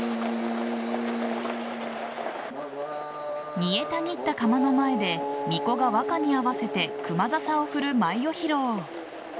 煮えたぎった釜の前でみこが和歌に合わせて熊笹を振る舞を披露。